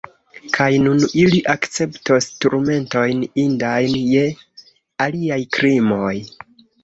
Kaj nun ili akceptos turmentojn, indajn je iliaj krimoj.